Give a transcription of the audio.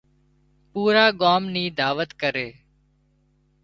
پوُرا ڳام نِي دعوت ڪرِي